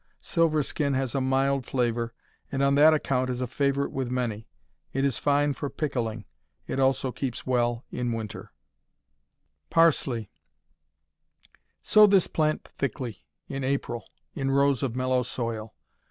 Silverskin has a mild flavor, and on that account it is a favorite with many. It is fine for pickling. It also keeps well in winter. Parsley Sow this plant thickly, in April, in rows of mellow soil.